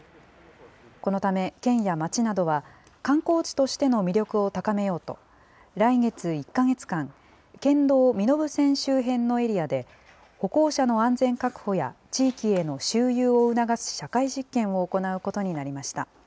このため、県や町などは観光地としての魅力を高めようと、来月１か月間、県道身延線周辺のエリアで、歩行者の安全確保や地域への周遊を促す社会実験を行うことになりました。